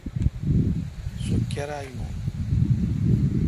سو کیرا یون۔